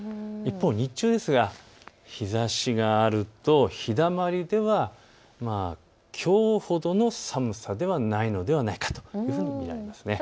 一方、日中ですが日ざしがあると日だまりではきょうほどの寒さではないのではないかというふうに見られます。